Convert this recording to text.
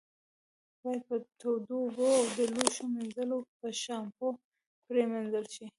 باید په تودو اوبو او د لوښو منځلو په شامپو پرېمنځل شي.